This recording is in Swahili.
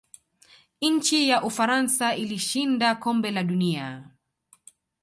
nchi ya ufaransa ilishinda kombe la dunia